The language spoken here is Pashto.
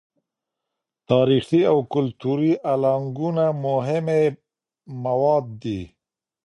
تاریخي او کلتوري الانګونه مهمې مواد دي.